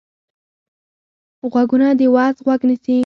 غوږونه د وعظ غوږ نیسي